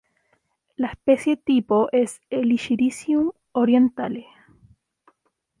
La especie tipo es "Helichrysum orientale".